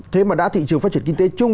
thế mà đã thị trường phát triển kinh tế chung